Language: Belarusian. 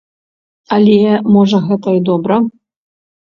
Але, можа, гэта і добра.